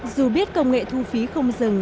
dù biết công nghệ thu phí không dừng